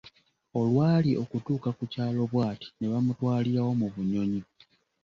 Olw’ali okutuuka ku kyalo bw’ati, ne bamutwaliwo mu bunyonyi.